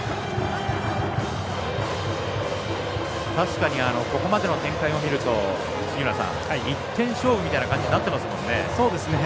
確かにここまでの展開を見ると１点勝負みたいな感じになってますもんね。